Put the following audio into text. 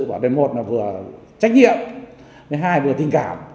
bảo đây một là vừa trách nhiệm hai là vừa tình cảm